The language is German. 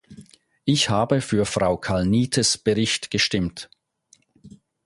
Ich habe für Frau Kalnietes Bericht gestimmt.